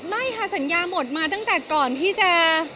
ไม่ค่ะสัญญาหมดมาตั้งแต่ก่อนที่จะ